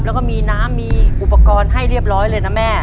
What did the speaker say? แล้วก็มีน้ำมีอุปกรณ์ให้เรียบร้อยเลยนะแม่